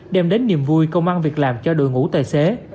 đem đến niềm vui công an việc làm cho đội ngũ tài xế